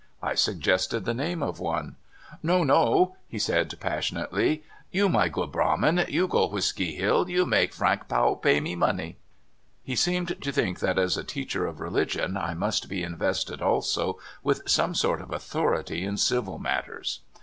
I sug gested the name of one. No, no ! "he said passionately; " you my good brahmin; 3'ou go Whisky Hill, you make Flank Powell pay my money! " He seemed to think that as a teacher of religion I must be invested also with some sort of authority in civil matters.